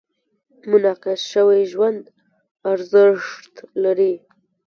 منعکس شوي ژوند ارزښت لري.